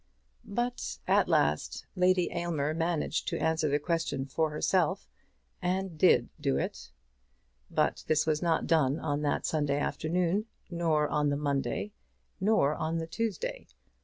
But at last Lady Aylmer managed to answer the question for herself, and did do it. But this was not done on that Sunday afternoon, nor on the Monday, nor on the Tuesday.